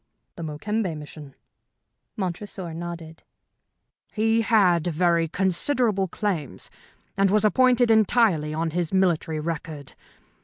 "The Mokembe mission?" Montresor nodded. "He had very considerable claims, and was appointed entirely on his military record.